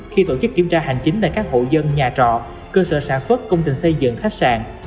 khi tổ chức kiểm tra hành chính tại các hộ dân nhà trọ cơ sở sản xuất công trình xây dựng khách sạn